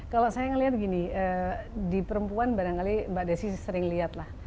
kalau saya ngelihat gini di perempuan barangkali mbak desi sering lihat lah